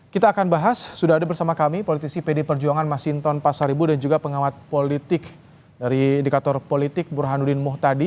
kita akan bahas sudah ada bersama kami politisi pd perjuangan masinton pasaribu dan juga pengamat politik dari indikator politik burhanuddin muhtadi